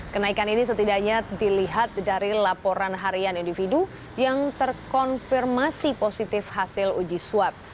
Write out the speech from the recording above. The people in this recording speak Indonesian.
kenaikan ini setidaknya dilihat dari laporan harian individu yang terkonfirmasi positif hasil uji swab